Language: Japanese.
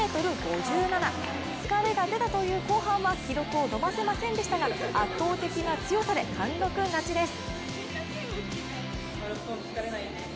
疲れが出たという後半は記録を伸ばせませんでしたが圧倒的な強さで貫禄勝ちです。